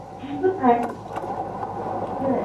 以医院作为背景之喜剧片。